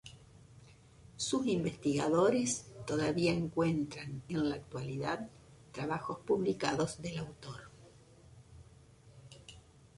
Sus investigadores todavía encuentran en la actualidad trabajos publicados del autor.